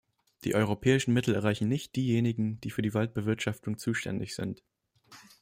Die europäischen Mittel erreichen nicht diejenigen, die für die Waldbewirtschaftung zuständig sind.